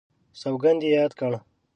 سوګند یې یاد کړ.